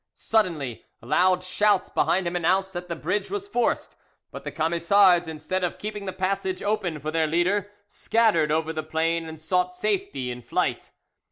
Suddenly loud shouts behind him announced that the bridge was forced; but the Camisards, instead of keeping the passage open for their leader, scattered over the plain and sought safety in flight.